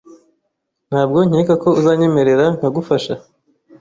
Ntabwo nkeka ko uzanyemerera nkagufasha.